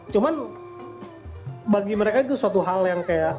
cuman bagi mereka itu suatu hal yang kayak